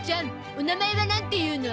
お名前はなんていうの？